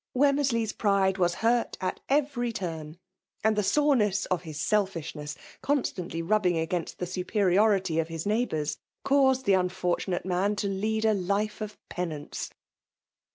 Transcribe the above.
Wemmersley's pride was hurt at every turn ; and the soreness of his selfishness constantly rubbing against the superiority of his neigh bours, caused the unfortunate man to lead a life of penance.